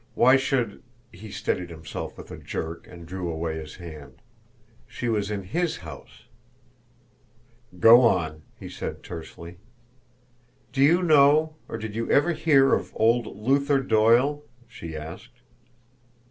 Why should he steadied himself with a jerk, and drew away his hand. She was in HIS house. "Go on," he said tersely. "Do you know, or did you ever hear of old Luther Doyle?" she asked.